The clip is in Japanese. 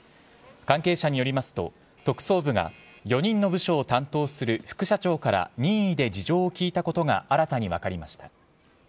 関係者によりますと特捜部が４人の部署を担当する副社長から任意で事情を聴いていたことが新たに分かりました。